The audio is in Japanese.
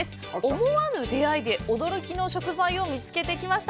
思わぬ出会いで驚きの食材を見つけてきました。